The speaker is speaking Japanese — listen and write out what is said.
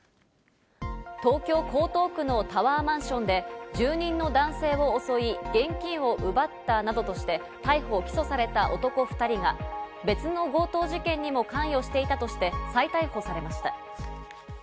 東京・江東区のタワーマンションで住人の男性を襲い、現金を奪ったなどとして逮捕・起訴された男２人が別の強盗事件にも関与していたとして、再逮捕されました。